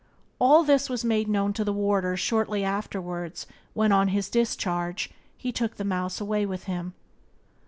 All this was made known to the warders shortly afterwards, when, on his discharge, he took the mouse away with him.